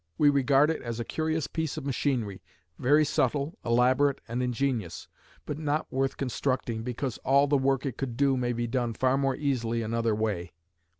We regard it as a curious piece of machinery, very subtle, elaborate, and ingenious, but not worth constructing, because all the work it could do may be done more easily another way."